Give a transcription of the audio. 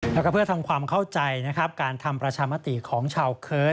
แล้วก็เพื่อทำความเข้าใจนะครับการทำประชามติของชาวเคิร์ต